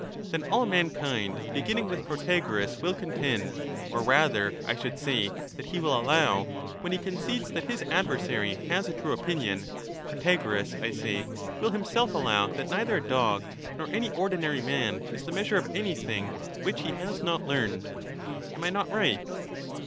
Then all mankind, beginning with Protagoras, will and so de contend, or rather, I should say that he will allow, when he truUi^of bis concedes that his adversary has a true opinion — Protagoras, owndoc I say, will himself allow that neither a dog nor any ordinary *™*^ man is thjg measure of anything which he has not learned — am I not right?